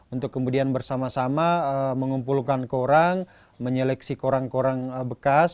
untuk kemudian bersama sama mengumpulkan koran menyeleksi koran koran bekas